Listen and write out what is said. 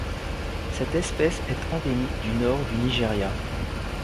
Cette espèce est endémique du nord du Nigeria.